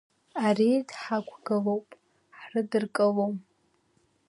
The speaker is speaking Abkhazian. Ареид ҳақәгылоуп, ҳрыдыркылом.